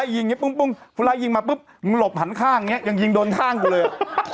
ไล่ยิงนี้ปุ้งผู้ร้ายยิงมาปุ๊บหลบหันข้างยังยิงโดนข้างกูเลย